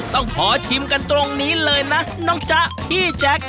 ต้องขอชิมกันตรงนี้เลยนะน้องจ๊ะพี่แจ๊ค